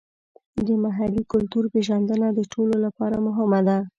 د محلي کلتور پیژندنه د ټولو لپاره مهمه ده.